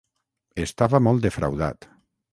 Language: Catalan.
Estava molt defraudat.